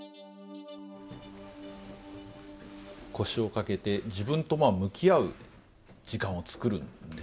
腰を掛けて自分と向き合う時間を作るんですね。